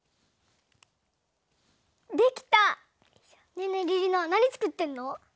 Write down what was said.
ねえねえりりななにつくってるの？